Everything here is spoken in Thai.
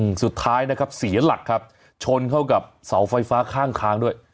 สุดท้ายนะครับเสียหลักครับชนเข้ากับเสาไฟฟ้าข้างทางด้วย